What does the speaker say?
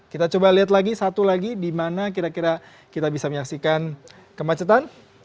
kita coba lihat lagi satu lagi di mana kira kira kita bisa menyaksikan kemacetan